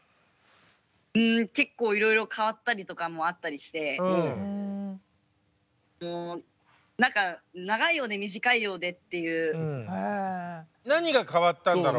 うん結構いろいろ変わったりとかもあったりして何か長いようで短いようでっていう。何が変わったんだろう？